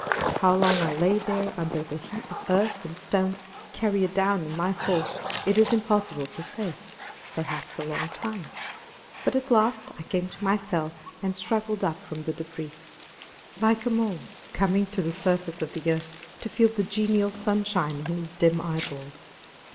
How long I lay there under the heap of earth and stones carried down in my fall it is impossible to say: perhaps a long time; but at last I came to myself and struggled up from the debris, like a mole coming to the surface of the earth to feel the genial sunshine on his dim eyeballs.